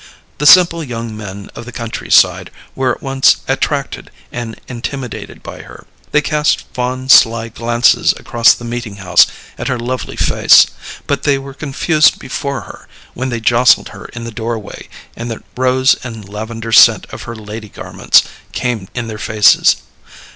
The simple young men of the country side were at once attracted and intimidated by her. They cast fond sly glances across the meeting house at her lovely face, but they were confused before her when they jostled her in the doorway and the rose and lavender scent of her lady garments came in their faces.